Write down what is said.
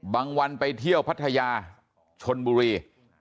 วันไปเที่ยวพัทยาชนบุรี